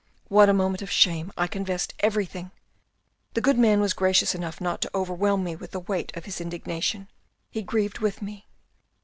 " What a moment of shame. I confessed everything. The good man was gracious enough not to overwhelm me with the weight of his indignation. He grieved with me.